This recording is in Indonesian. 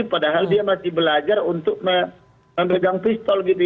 padahal dia masih belajar untuk memegang pistol gitu